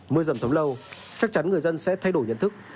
mưa rầm thấm lâu chắc chắn người dân sẽ thay đổi nhận thức